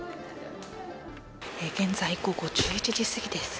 現在、午後１１時すぎです。